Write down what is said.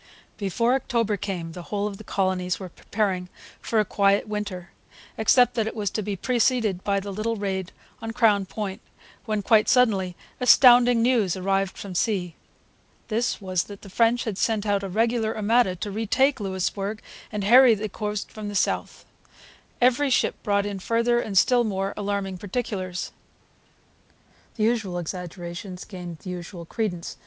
] Before October came the whole of the colonies were preparing for a quiet winter, except that it was to be preceded by the little raid on Crown Point, when, quite suddenly, astounding news arrived from sea. This was that the French had sent out a regular armada to retake Louisbourg and harry the coast to the south. Every ship brought in further and still more alarming particulars. The usual exaggerations gained the usual credence.